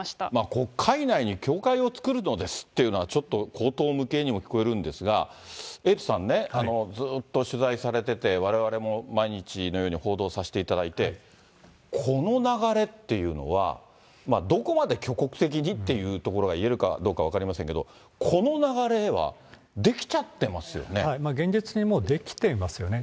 国会内に教会を作るのですっていうのは、ちょっと荒唐無けいにも聞こえるんですが、エイトさんね、ずっと取材されてて、われわれも毎日のように報道させていただいて、この流れっていうのは、どこまで挙国的にと言えるかどうか分かりませんけれども、この流現実に出来ていますよね。